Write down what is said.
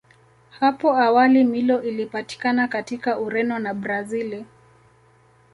Hapo awali Milo ilipatikana katika Ureno na Brazili.